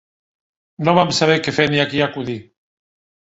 No vam saber què fer ni a qui acudir.